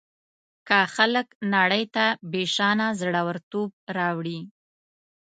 که خلک نړۍ ته بېشانه زړه ورتوب راوړي.